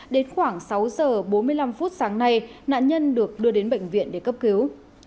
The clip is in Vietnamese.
đến khoảng sáu giờ bốn mươi năm sáng nay nạn nhân được đưa đến bệnh viện để cấp cứu